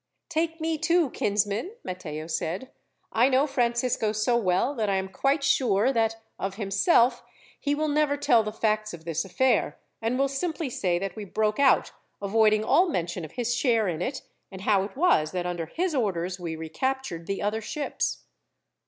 "Take me, too, kinsman," Matteo said. "I know Francisco so well that I am quite sure that, of himself, he will never tell the facts of this affair, and will simply say that we broke out, avoiding all mention of his share in it, and how it was that under his orders we recaptured the other ships."